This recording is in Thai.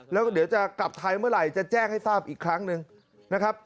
แล้วเดี๋ยวจะกลับไทยเมื่อไหร่จะแจ้งให้ทราบอีกครั้งหนึ่งนะครับ